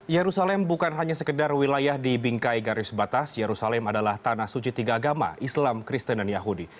yerusalem bukan hanya sekedar wilayah di bingkai garis batas yerusalem adalah tanah suci tiga agama islam kristen dan yahudi